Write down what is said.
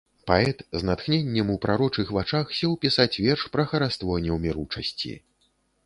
Паэт з натхненнем у прарочых вачах сеў пісаць верш пра хараство неўміручасці.